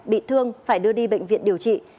bị thương phải đưa đi bệnh viện điều trị